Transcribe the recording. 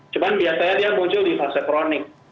cuman biasanya dia muncul di fase kronik